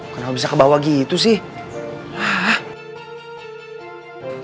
kenapa bisa ke bawah gitu sih